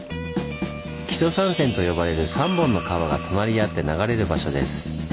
「木曽三川」と呼ばれる３本の川が隣り合って流れる場所です。